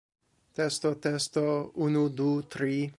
Testo testo, unu, du, tri.